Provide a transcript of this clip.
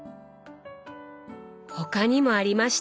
他にもありました。